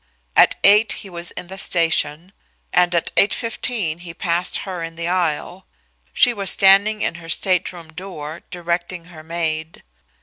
At eight he was in the station, and at 8:15 he passed her in the aisle. She was standing in her stateroom door, directing her maid.